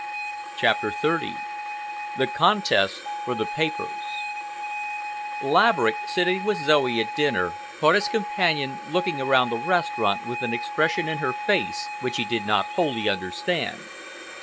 CHAPTER XXX THE CONTEST FOR THE PAPERS Laverick, sitting with Zoe at dinner, caught his companion looking around the restaurant with an expression in her face which he did not wholly understand.